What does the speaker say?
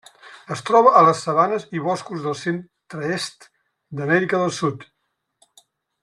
Es troba a les sabanes i boscos del centre-est d'Amèrica del Sud.